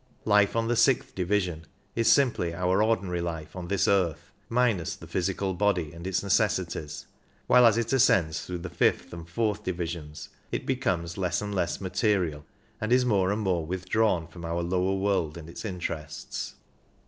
Life on the sixth division is simply our ordinary life on this earth, minus the physical body and its necessities ; while as it ascends through the fifth and fourth divisions it becomes less and less material, and is more and more withdrawn from our lower world and its interests.